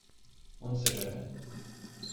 on ne sait jamais.